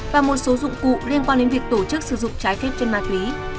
và một số dụng cụ liên quan đến việc tổ chức sử dụng trái phép trên ma túy